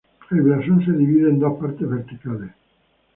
El blasón se divide en dos partes verticales.